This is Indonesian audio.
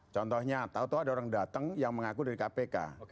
contohnya tau tau ada orang datang yang mengaku dari kpk